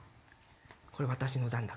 これ私の残高。